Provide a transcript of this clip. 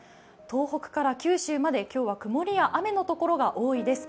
東北から九州まで今日は曇りや雨のところが多いです。